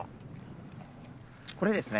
これですね。